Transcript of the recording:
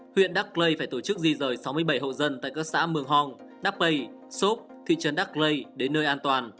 huyện đắc lê phải tổ chức di rời sáu mươi bảy hậu dân tại các xã mường hòng đắc bây sốp thị trấn đắc lê đến nơi an toàn